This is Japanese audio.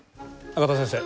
仲田先生